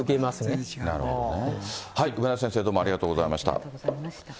梅田先生、どうもありがとうありがとうございました。